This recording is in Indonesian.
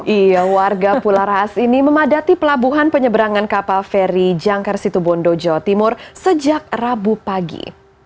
iya warga pulau raas ini memadati pelabuhan penyeberangan kapal feri jangkar situbondo jawa timur sejak rabu pagi